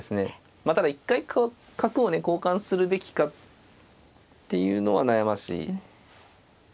まあただ一回角をね交換するべきかっていうのは悩ましい。